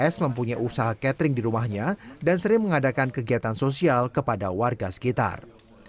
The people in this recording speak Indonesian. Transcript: s mempunyai usaha catering di rumahnya dan sering mengadakan kegiatan sosial kepada warga sekitar